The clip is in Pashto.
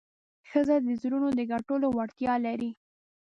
ښځه د زړونو د ګټلو وړتیا لري.